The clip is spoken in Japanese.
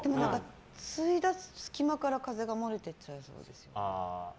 ついだ隙間から、風が漏れていっちゃいそうですよね。